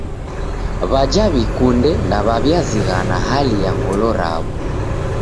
W'aja w'ikunde ndew'aw'iazighana hali ya ngolo raw'o.